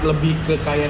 lebih ke kayak